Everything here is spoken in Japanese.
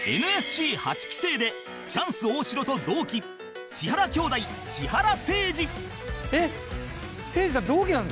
ＮＳＣ８ 期生でチャンス大城と同期千原兄弟千原せいじ